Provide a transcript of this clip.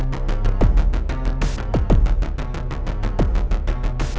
langsung aja deh